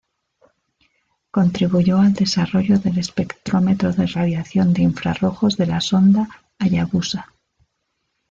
Contribuyó al desarrollo del espectrómetro de radiación de infrarrojos de la sonda Hayabusa.